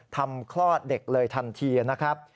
คลอดเด็กเลยทันทีนะครับ